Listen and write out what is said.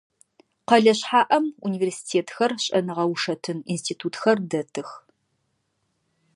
Къэлэ шъхьаӏэм университетхэр, шӏэныгъэ-ушэтын институтхэр дэтых.